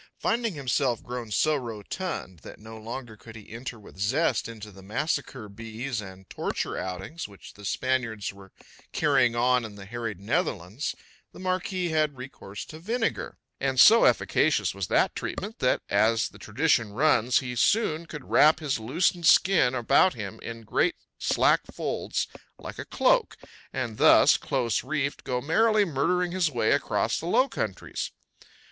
Finding himself grown so rotund that no longer could he enter with zest into the massacre bees and torture outings which the Spaniards were carrying on in the harried Netherlands, the marquis had recourse to vinegar; and so efficacious was the treatment that, as the tradition runs, he soon could wrap his loosened skin about him in great slack folds like a cloak, and thus, close reefed, go merrily murdering his way across the Low Countries.